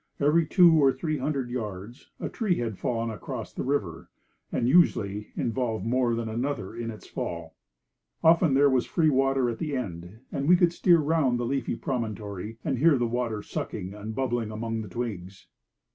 Every two or three hundred yards a tree had fallen across the river, and usually involved more than another in its fall. Often there was free water at the end, and we could steer round the leafy promontory and hear the water sucking and bubbling among the twigs.